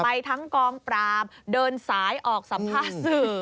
ไปทั้งกองปราบเดินสายออกสัมภาษณ์สื่อ